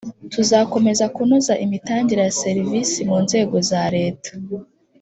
tuzakomeza kunoza imitangire ya serivisi mu nzego za Leta